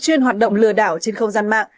chuyên hoạt động lừa đảo trên không gian mạng